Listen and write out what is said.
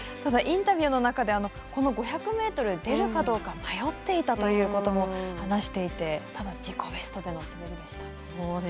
インタビューの中で５００ｍに出るかどうか迷っていたということも話していてただ、自己ベストでの滑りでした。